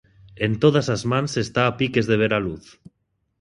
En todas as mans está a piques de ver a luz.